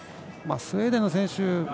スウェーデンの選手